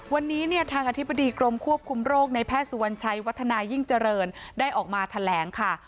วันนี้เนี่ยทางอธิบดีกรมควบคุมโรคในแพทย์สุวรรณชัยวัฒนายิ่งเจริญได้ออกมาแถลงค่ะ